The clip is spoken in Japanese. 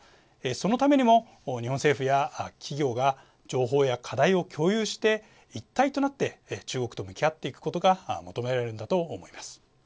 そのためにも日本政府や企業が情報や課題を共有して一体となって中国と向き合っていくことが求められるんだと思います。